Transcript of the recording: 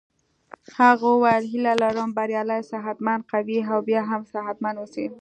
هغه وویل هیله لرم بریالی صحت مند قوي او بیا هم صحت مند اوسې.